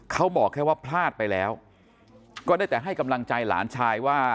เขาบอกแค่ว่าพลาดไปแล้วก็ได้แต่ให้กำลังใจหลานชายว่า